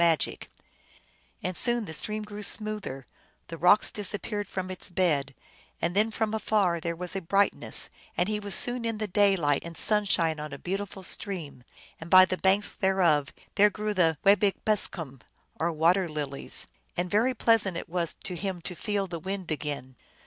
magic ; 1 and soon the stream grew smoother, the rocks disappeared from its bed, and then from afar there was a brightness, and he was soon in the daylight and sunshine on a beautiful stream, and by the banks thereof there grew the wabeyu beskwan, or water lilies, and very pleasant it was to him to feel the wind again.